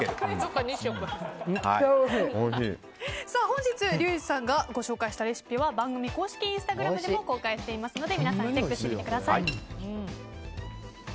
本日、リュウジさんがご紹介したレシピは番組公式インスタグラムでも公開していますので皆さんチェックしてみてください。